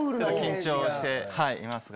緊張していますが。